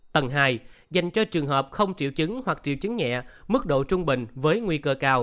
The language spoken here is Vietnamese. tầng hai dành cho trường hợp không triệu chứng hoặc triệu chứng nhẹ mức độ trung bình với nguy cơ cao